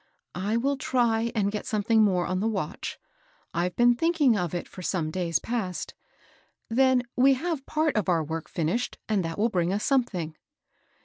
^^" I will try and get something more on the watch. I've been thinking of it for some days past. Then we have part of our work finished, and that will bring us something."